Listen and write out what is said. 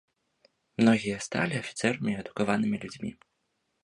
Многія сталі афіцэрамі і адукаванымі людзьмі.